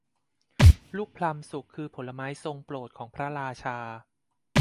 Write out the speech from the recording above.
ลูกพลัมสุกคือผลไม้ทรงโปรดของพระราชา